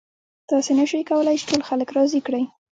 تاسې نشئ کولی چې ټول خلک راضي کړئ.